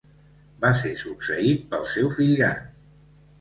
Va ser succeït pel seu fill gran.